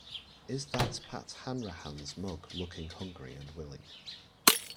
Is that Pat Hanrahan's mug looking hungry and willing.